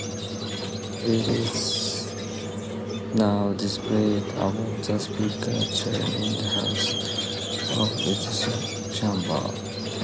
It is now displayed above the Speaker's chair in the House of Representatives' chamber.